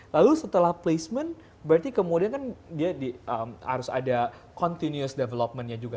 lalu setelah placement berarti kemudian kan dia harus ada continuous developmentnya juga